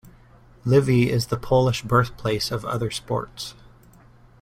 Lviv is the Polish birthplace of other sports.